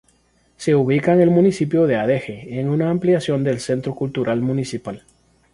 Se ubica en el municipio de Adeje, en una ampliación del centro cultural municipal.